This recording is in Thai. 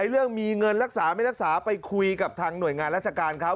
เรื่องมีเงินรักษาไม่รักษาไปคุยกับทางหน่วยงานราชการเขา